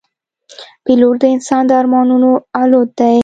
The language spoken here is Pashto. پیلوټ د انسان د ارمانونو الوت دی.